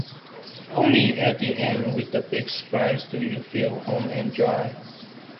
Only at the end with the big surprise do you feel home and dry.